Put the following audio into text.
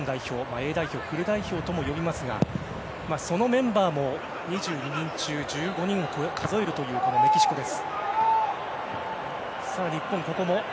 Ａ代表、フル代表とも呼びますがそのメンバーも２２人中１５人を数えるというこのメキシコです。